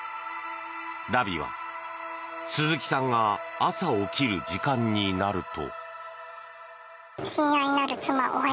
ダビは鈴木さんが朝起きる時間になると。